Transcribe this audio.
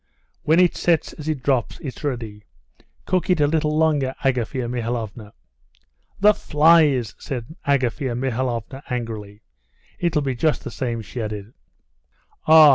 "When it sets as it drops, it's ready. Cook it a little longer, Agafea Mihalovna." "The flies!" said Agafea Mihalovna angrily. "It'll be just the same," she added. "Ah!